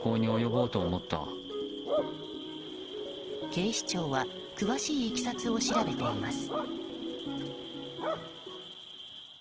警視庁は詳しいいきさつを調べています。